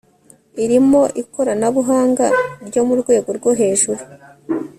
irimo ikoranabuhanga ryo mu rwego rwo hejuru